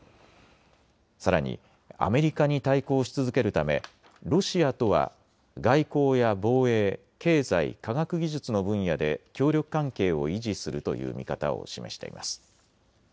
さらにアメリカに対抗し続けるため、ロシアとは外交や防衛、経済、科学技術の分野で協力関係を維持するという見方を示しています。